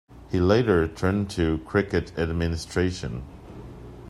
He later turned to cricket administration.